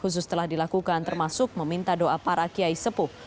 khusus telah dilakukan termasuk meminta doa para kiai sepuh